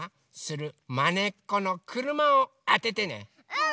うん！